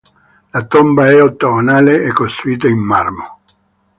La tomba è ottagonale e costruita in marmo.